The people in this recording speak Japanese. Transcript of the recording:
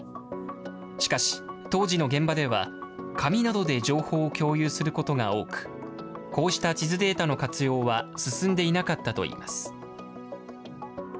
しかし、当時の現場では紙などで情報を共有することが多く、こうした地図データの活用は、進んでいなかったといいます。